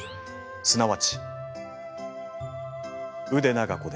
すなわち腕長子です。